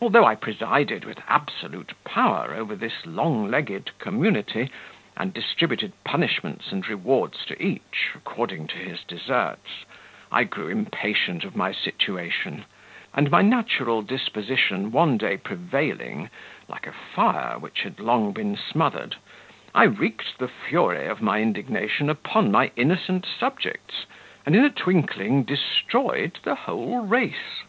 Although I presided with absolute power over this long legged community, and distributed punishments and rewards to each, according to his deserts, I grew impatient of my situation; and my natural disposition one day prevailing, like a fire which had long been smothered, I wreaked the fury of my indignation upon my innocent subjects, and in a twinkling destroyed the whole race.